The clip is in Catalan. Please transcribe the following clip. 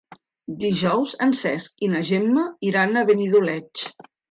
Dijous en Cesc i na Gemma iran a Benidoleig.